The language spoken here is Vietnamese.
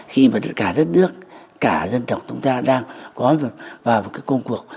khi mà cả đất nước cả dân tộc chúng ta đang có vào một cái công cuộc